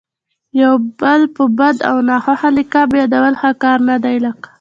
یو بل په بد او ناخوښه لقب یادول ښه کار نه دئ.